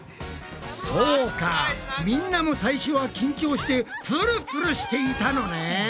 そうかみんなも最初は緊張してプルプルしていたのね。